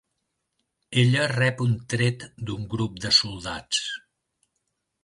Ella rep un tret d'un grup de soldats.